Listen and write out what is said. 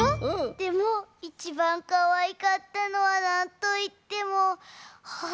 でもいちばんかわいかったのはなんといってもほっぺ！